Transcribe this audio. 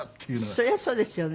そりゃそうですよね。